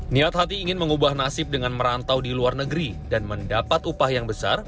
niat hati ingin mengubah nasib dengan merantau di luar negeri dan mendapat upah yang besar